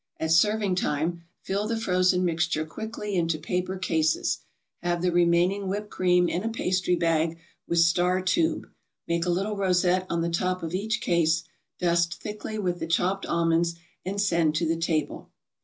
At serving time, fill the frozen mixture quickly into paper cases; have the remaining whipped cream in a pastry bag with star tube, make a little rosette on the top of each case, dust thickly with the chopped almonds, and send to the table.